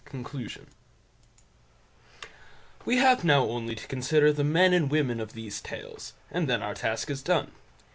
CONCLUSION We have now only to consider the men and women of these Tales, and then our task is done.